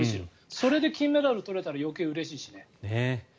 それで金メダルを取れたら余計うれしいしね。